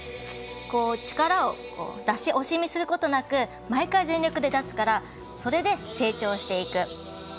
力を出し惜しみすることなく毎回全力で出すからそれで成長していく。